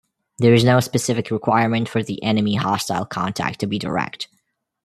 There is no specific requirement for the enemy hostile contact to be direct.